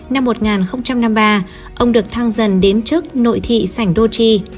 năm một nghìn năm mươi ba ông được thăng dần đến chức nội thị sảnh đô tri